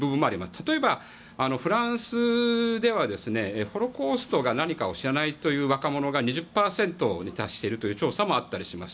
例えば、フランスではホロコーストが何か知らない若者が２０％に達しているという調査もあります。